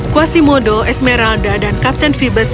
quasimodo esmeralda dan kapten phoebes